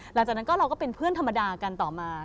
หลังจากนั้นก็เราก็เป็นเพื่อนธรรมดากันต่อมา